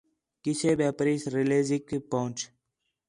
قِصّے ٻِیا پریس ریلیزیک پہن٘چ